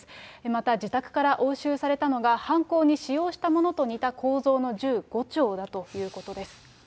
また自宅から押収されたのが、犯行に使用したものと似た構造の銃５丁だということです。